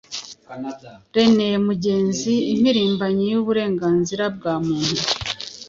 René Mugenzi, impirimbanyi y'uburenganzira bwa muntu